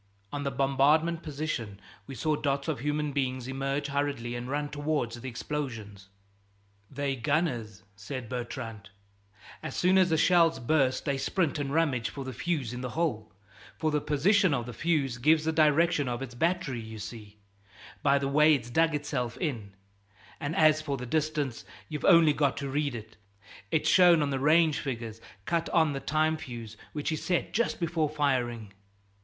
On the bombarded position we saw dots of human beings emerge hurriedly and run towards the explosions. "They're gunners," said Bertrand; "as soon as a shell's burst they sprint and rummage for the fuse in the hole, for the position of the fuse gives the direction of its battery, you see, by the way it's dug itself in; and as for the distance, you've only got to read it it's shown on the range figures cut on the time fuse which is set just before firing."